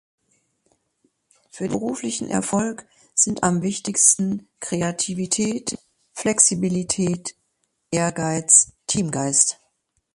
Für beruflichen Erfolg sind am wichtigsten: Kreativität, Flexibilität, Ehrgeiz, Teamgeist.